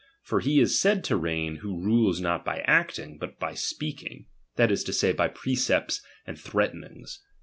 For he is said to reign, who rules not by acting, but speaking, that is to say, by precepts and ihreatenings.